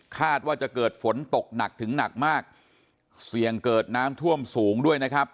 คาดว่าจะเกิดฝนตกหนักถึงหนักมากเสี่ยงเกิดน้ำท่วมสูงด้วยนะครับ